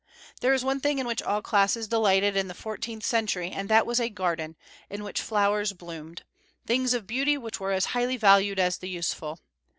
There is one thing in which all classes delighted in the fourteenth century, and that was a garden, in which flowers bloomed, things of beauty which were as highly valued as the useful.